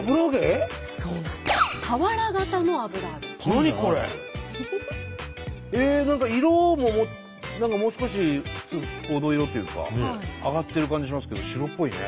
何か色も何かもう少し普通黄土色っていうか揚がってる感じしますけど白っぽいね。